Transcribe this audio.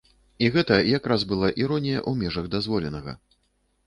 І гэта якраз была іронія ў межах дазволенага.